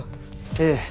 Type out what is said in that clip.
ええ。